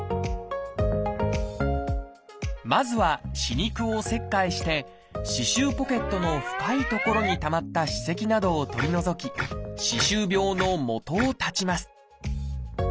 まずは歯肉を切開して歯周ポケットの深い所にたまった歯石などを取り除き歯周病のもとを断ちます。